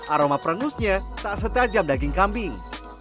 aroma perengusnya tak setajam daging kambing